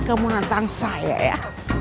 kematang saya ya